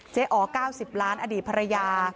อ๋อ๙๐ล้านอดีตภรรยา